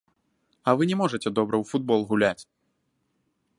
А вы не можаце добра ў футбол гуляць!